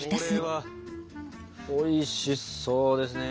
おいしそうですね。